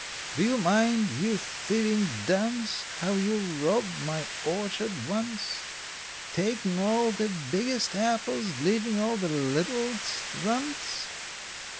Do you mind, you thievin' dunce, How you robbed my orchard once, Takin' all the biggest apples, leavin' all the littlest runts?